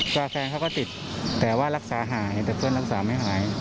แฟนเขาก็ติดแต่ว่ารักษาหายแต่เพื่อนรักษาไม่หาย